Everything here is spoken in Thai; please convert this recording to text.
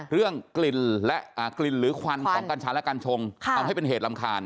เรื่องกลิ่นและกลิ่นหรือควันของกัญชาและกัญชงทำให้เป็นเหตุรำคาญ